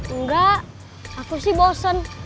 engga aku sih bosen